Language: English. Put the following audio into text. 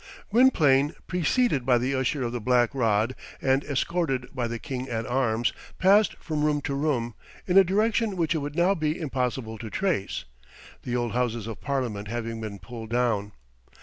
Gwynplaine, preceded by the Usher of the Black Rod, and escorted by the King at Arms, passed from room to room, in a direction which it would now be impossible to trace, the old Houses of Parliament having been pulled down.